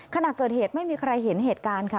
ขณะเกิดเหตุไม่มีใครเห็นเหตุการณ์ค่ะ